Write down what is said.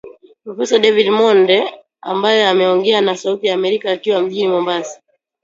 Profesa David Monda ambae ameongea na Sauti ya Amerika akiwa mjini Mombasa